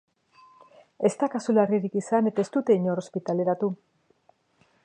Ez da kasu larririk izan eta ez dute inor ospitaleratu.